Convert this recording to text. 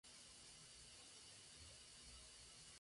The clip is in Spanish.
Es más grueso el borde de salida.